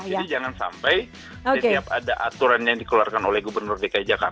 jadi jangan sampai setiap ada aturan yang dikeluarkan oleh gubernur dki jakarta